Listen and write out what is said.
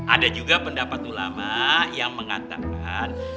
ada juga pendapat ulama yang mengatakan